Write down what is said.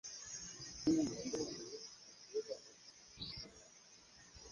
তিনি লন্ডনের West End থিয়েটারের মঞ্চনাটকে কাজ করেন।